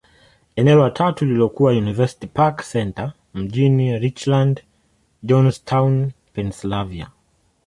Eneo la tatu lililokuwa University Park Centre, mjini Richland, Johnstown, Pennyslvania.